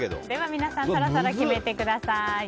皆さんそろそろ決めてください。